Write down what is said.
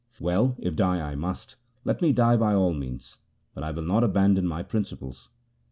Well, if die I must, let me die by all means, but I will not abandon my principles.'